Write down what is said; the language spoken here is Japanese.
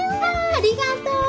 あありがとう。